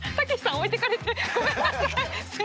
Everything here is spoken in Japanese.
置いてかれてごめんなさい。